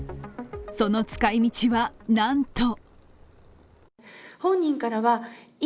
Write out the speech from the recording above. その使い道は、なんと！？